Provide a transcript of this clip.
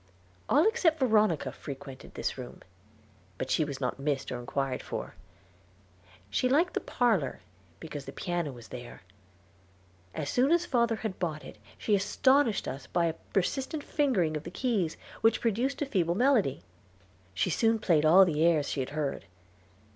All except Veronica frequented this room; but she was not missed or inquired for. She liked the parlor, because the piano was there. As soon as father had bought it she astonished us by a persistent fingering of the keys, which produced a feeble melody. She soon played all the airs she had heard.